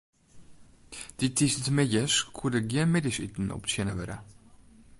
Dy tiisdeitemiddeis koe der gjin middeisiten optsjinne wurde.